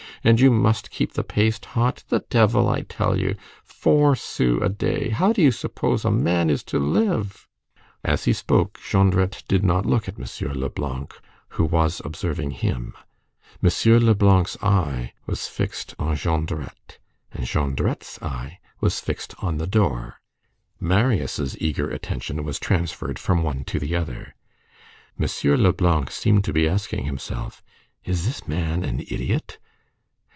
And you must keep the paste hot. The devil, I tell you! Four sous a day! How do you suppose a man is to live?" As he spoke, Jondrette did not look at M. Leblanc, who was observing him. M. Leblanc's eye was fixed on Jondrette, and Jondrette's eye was fixed on the door. Marius' eager attention was transferred from one to the other. M. Leblanc seemed to be asking himself: "Is this man an idiot?"